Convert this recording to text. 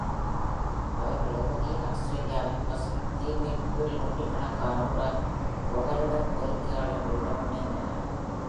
அவர்கள் இறுதியில் ஆஸ்திரேலியாவின் "பசிபிக் தீர்வு" -இன் கீழ் நூற்றுக்கணக்கான பிற புகலிடக் கோரிக்கையாளர்களுடன் இணைந்தனர்.